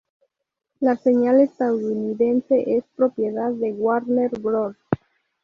La señal estadounidense es propiedad de Warner Bros.